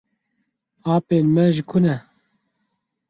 Apên me ji ku ne?